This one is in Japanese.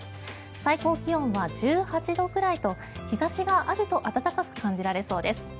最高気温は１８度くらいと日差しがあると暖かく感じられそうです。